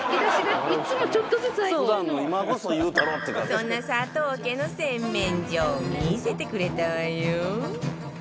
そんな佐藤家の洗面所を見せてくれたわよ